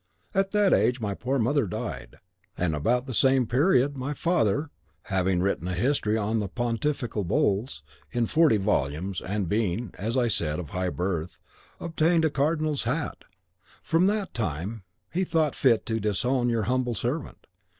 At that age my poor mother died; and about the same period my father, having written a History of the Pontifical Bulls, in forty volumes, and being, as I said, of high birth, obtained a cardinal's hat. From that time he thought fit to disown your humble servant.